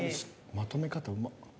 まとめ方うまっ。